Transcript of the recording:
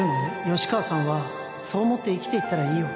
吉川さんはそう思って生きていったらいいよ